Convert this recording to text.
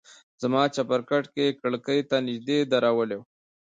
زما چپرکټ يې کړکۍ ته نژدې درولى و.